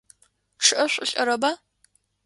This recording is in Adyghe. ЧъыӀэ шъулӀэрэба?